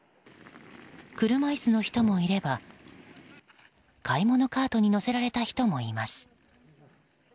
車椅子の人もいれば買い物カートに乗せられた人もいます。